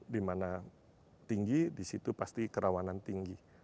di mana tinggi di situ pasti kerawanan tinggi